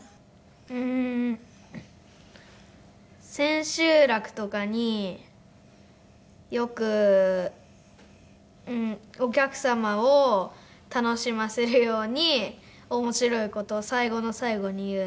うーん千秋楽とかによくお客様を楽しませるように面白い事を最後の最後に言うんですよ。